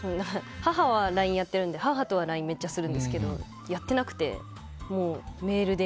母はＬＩＮＥやってるんで母とはめっちゃするんですけどやってなくて、メールで。